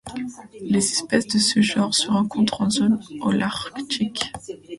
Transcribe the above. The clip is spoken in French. Les espèces de ce genre se rencontrent en zone Holarctique.